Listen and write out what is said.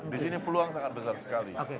disini peluang sangat besar sekali